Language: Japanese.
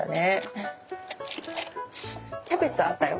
キャベツあったよ。